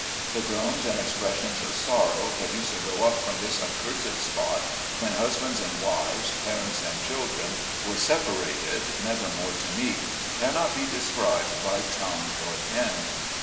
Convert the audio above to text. The groans and expressions of sor row, that used to go up from this accursed spot, when husbands and wives, parents and children, were sep arated never more to meet, cannot be described by tongue or pen.